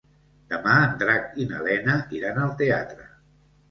Demà en Drac i na Lena iran al teatre.